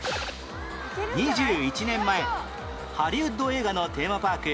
２１年前ハリウッド映画のテーマパーク